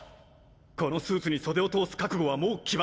このスーツに袖を通す覚悟はもう決まっている！